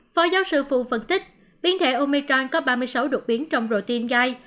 phó giáo sư phụ phân tích biến thể omicron có ba mươi sáu đột biến trong routine gai